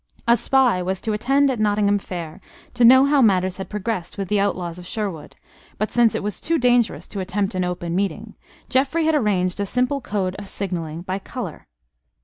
A spy was to attend at Nottingham Fair to know how matters had progressed with the outlaws of Sherwood; but, since it was too dangerous to attempt an open meeting, Geoffrey had arranged a simple code of signalling, by color.